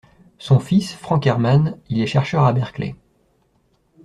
Son fils, Franck Herman, il est chercheur à Berkeley…